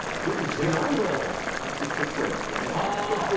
アーティストっぽいやつですかね。